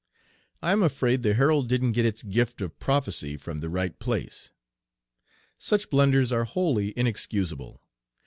I am afraid the Herald didn't get its "gift of prophecy" I from the right place. Such blunders are wholly inexcusable.